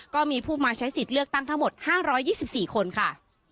ก็มีผู้มาใช้สิทธิ์เลือกตั้งทั้งหมด๕๒๔คนค่ะ